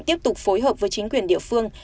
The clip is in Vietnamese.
tiếp tục phối hợp với chính quyền địa phương